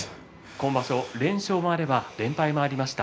今場所、連勝もあれば連敗もありました。